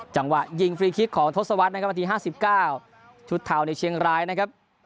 สวัสดีนะครับอันดีห้าสิบเก้าชุดเทาในเชียงรายนะครับ